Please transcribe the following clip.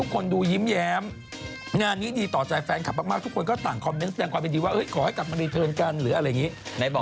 ฟรูนเสนอคุณแตงได้บวดเป็นหลายปีนะ